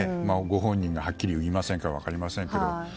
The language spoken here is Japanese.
ご本人がはっきり言わないから分かりませんけど。